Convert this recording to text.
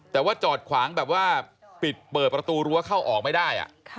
แต่ว่าจอดขวางแบบว่าปิดเปิดประตูรั้วเข้าออกไม่ได้